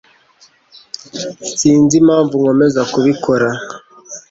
Sinzi impamvu nkomeza kubikora